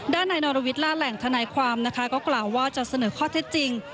ด้านนายนรวิทล่าแหล่งทนายความนะคะก็กล่าวว่าจะเสนอข้อเท็จจริง